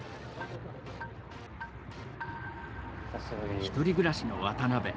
１人暮らしの渡辺。